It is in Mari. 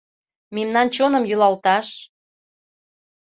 Мемнан чоным йӱлалташ.